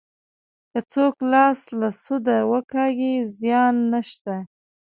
که څوک لاس له سوده وکاږي زیان نشته.